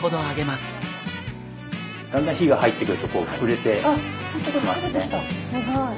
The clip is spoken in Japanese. すごい。